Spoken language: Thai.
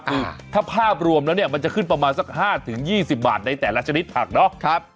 คือถ้าภาพรวมแล้วเนี่ยมันจะขึ้นประมาณสัก๕๒๐บาทในแต่ละชนิดผักเนาะ